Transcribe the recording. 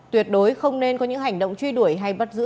tuyệt đối không nên có những hành động truy đuổi hay bắt giữ